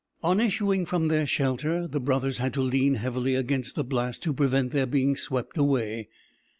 On issuing from their shelter the brothers had to lean heavily against the blast to prevent their being swept away.